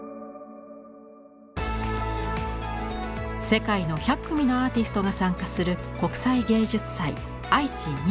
世界の１００組のアーティストが参加する国際芸術祭「あいち２０２２」。